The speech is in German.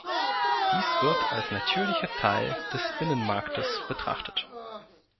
Dies wird als natürlicher Teil des Binnenmarktes betrachtet.